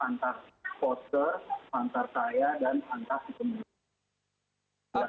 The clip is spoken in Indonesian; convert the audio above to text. antara sponsor antar saya dan antar kemuliaan